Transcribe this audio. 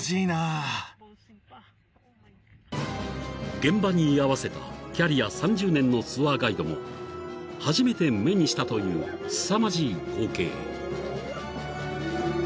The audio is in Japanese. ［現場に居合わせたキャリア３０年のツアーガイドも初めて目にしたというすさまじい光景］